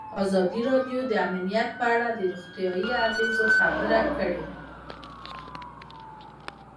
ازادي راډیو د امنیت په اړه د روغتیایي اغېزو خبره کړې.